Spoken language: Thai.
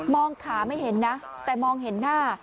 ขาไม่เห็นนะแต่มองเห็นหน้า